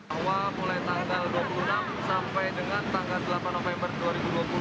awal mulai tanggal dua puluh enam sampai dengan tanggal delapan november dua ribu dua puluh